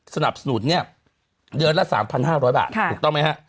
สนับสนุนเนี่ยเดือนละ๓๕๐๐บาทถูกต้องไหมฮะ